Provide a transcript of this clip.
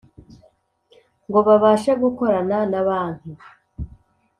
Ngo babashe gukorana na banki